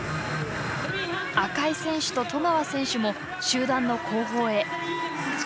赤井選手と十川選手も集団の後方へ。